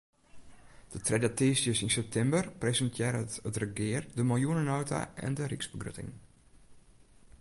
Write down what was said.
De tredde tiisdeis yn septimber presintearret it regear de miljoenenota en de ryksbegrutting.